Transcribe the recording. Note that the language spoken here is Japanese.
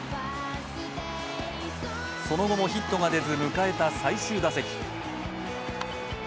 その後もヒットが出ず迎えた最終打席。